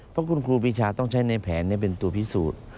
เพราะคุณครูปีชาต้องใช้ในแผนเป็นตัวพิสูจน์